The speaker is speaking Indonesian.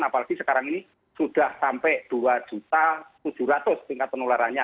apalagi sekarang ini sudah sampai dua tujuh ratus tingkat penularannya